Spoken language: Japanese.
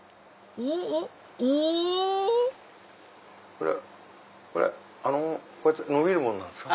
これこうやってのびるものなんですか？